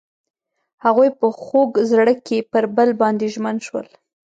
هغوی په خوږ زړه کې پر بل باندې ژمن شول.